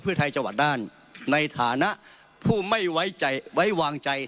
เพื่อไทยจังหวัดน่านในฐานะผู้ไม่ไว้ใจไว้วางใจ